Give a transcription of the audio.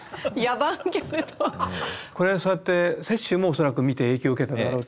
これそうやって雪舟も恐らく見て影響を受けただろうっていう。